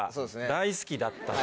大好きだったと。